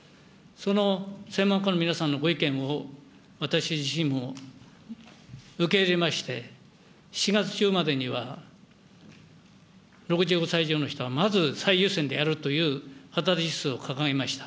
その専門家の皆さんのご意見を私自身も受け入れまして、７月中までには６５歳以上の人はまず最優先でやるという掲げました。